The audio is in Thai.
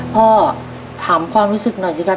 พ่อถามความรู้สึกหน่อยสิครับ